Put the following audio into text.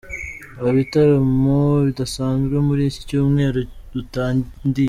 Ibitaramo bidasanzwe mur’ ikicyumweru dutandiye